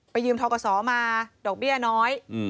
ยืมทกศมาดอกเบี้ยน้อย